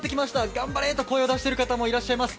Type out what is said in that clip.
頑張れ！と声を出している方もいらっしゃいます。